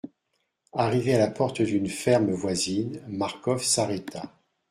Arrivé à la porte d'une ferme voisine, Marcof s'arrêta.